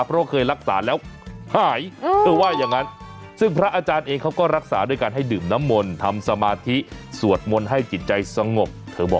เพราะว่าเคยรักษาแล้วหายเธอว่าอย่างนั้นซึ่งพระอาจารย์เองเขาก็รักษาด้วยการให้ดื่มน้ำมนต์ทำสมาธิสวดมนต์ให้จิตใจสงบเธอบอก